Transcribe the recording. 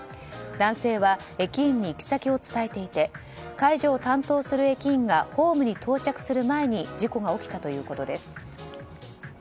男性は駅員に行き先を伝えていて介助を担当する駅員がホームに到着する前に事故が起きたということです。